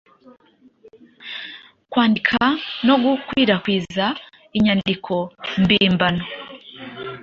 kwandika no gukwirakwiza inyandiko mbimbano